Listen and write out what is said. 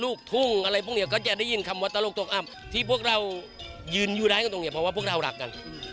ลูกทุ่งอะไรพวกนี้ก็จะได้ยินคำว่าตลกตกอ้ำที่พวกเรายืนอยู่ได้กันตรงนี้เพราะว่าพวกเรารักกัน